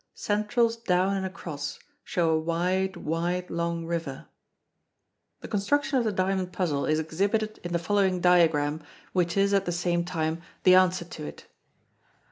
Centrals down and across, show a wide, wide, long river. The construction of the Diamond Puzzle is exhibited in the following diagram, which is, at the same time, the answer to it.